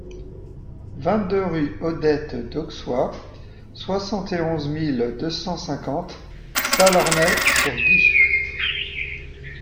vingt-deux rue Odette Dauxois, soixante et onze mille deux cent cinquante Salornay-sur-Guye